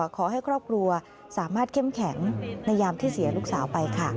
ขอให้ครอบครัวสามารถเข้มแข็งในยามที่เสียลูกสาวไปค่ะ